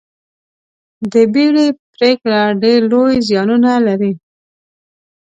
د بیړې پرېکړه ډېر لوی زیانونه لري.